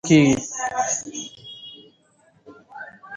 احمدشاه بابا د پښتنو ستر مشر ګڼل کېږي.